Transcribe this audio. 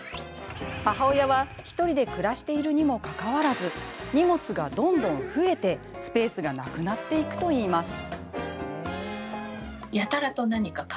母親は、１人で暮らしているにもかかわらず荷物がどんどん増えてスペースがなくなっていくといいます。